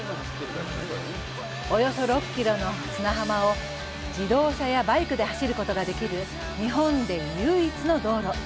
およそ６キロの砂浜を自動車やバイクで走ることができる日本で唯一の道路。